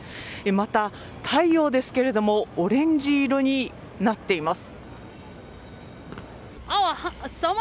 また、太陽ですがオレンジ色になっています。